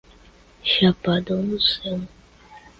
Chapadão do Céu